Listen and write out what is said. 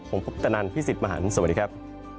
ผมพุทธนันพี่สิทธิ์มหันฯสวัสดีครับ